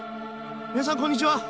皆さんこんにちは！